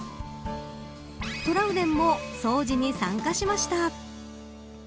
トラウデンも掃除に参加しました。